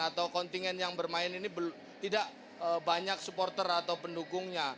atau kontingen yang bermain ini tidak banyak supporter atau pendukungnya